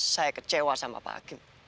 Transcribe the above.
saya kecewa sama pak hakim